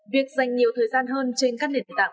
việc dành nhiều thời gian hơn trên các nền tảng